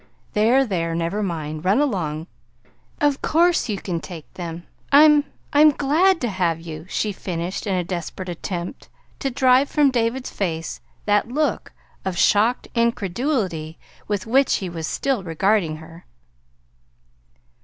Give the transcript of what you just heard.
"There, there, never mind. Run along. Of course you can take them. I'm I'm GLAD to have you," she finished, in a desperate attempt to drive from David's face that look of shocked incredulity with which he was still regarding her.